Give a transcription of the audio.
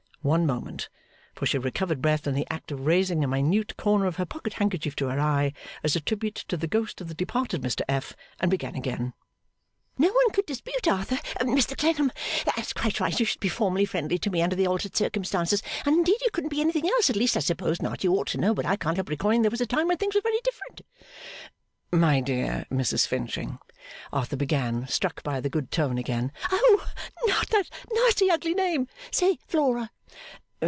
One moment; for she recovered breath in the act of raising a minute corner of her pocket handkerchief to her eye, as a tribute to the ghost of the departed Mr F., and began again. 'No one could dispute, Arthur Mr Clennam that it's quite right you should be formally friendly to me under the altered circumstances and indeed you couldn't be anything else, at least I suppose not you ought to know, but I can't help recalling that there was a time when things were very different.' 'My dear Mrs Finching,' Arthur began, struck by the good tone again. 'Oh not that nasty ugly name, say Flora!